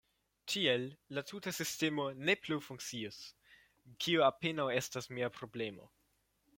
Tiel la tuta sistemo ne plu funkcius – kio apenaŭ estas mia problemo.